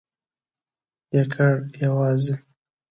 یکړ...یوازی ..